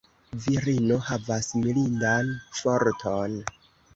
Virino havas mirindan forton.